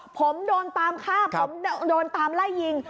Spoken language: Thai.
ผมโดนตามฆ่าผมโดนตามไล่ยิง